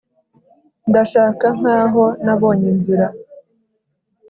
Ndashaka nkaho nabonye inzira